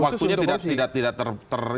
waktunya tidak ter